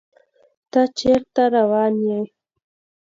ته چیرته روان یې؟